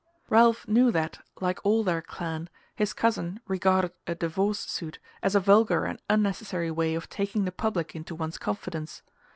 Ralph knew that, like all their clan, his cousin regarded a divorce suit as a vulgar and unnecessary way of taking the public into one's confidence.